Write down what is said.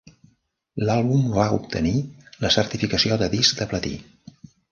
L'àlbum va obtenir la certificació de disc de platí.